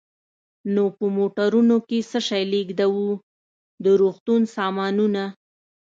نو په موټرونو کې څه شی لېږدوو؟ د روغتون سامانونه.